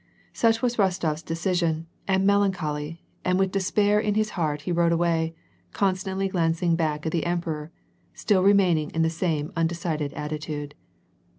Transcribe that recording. Such was Rostof's decision, and melancholy, and with de spair in his heail;, he rode away, constantly glancing back at the emperor, still remaining in the same undecided attitude.